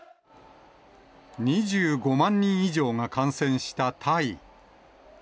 ２５万人以上が感染したタイ。